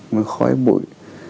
nó khói bụi